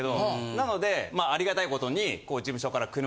なのでありがたい事に。